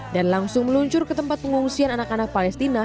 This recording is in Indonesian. dan langsung meluncur ke tempat pengungsian anak anak palestina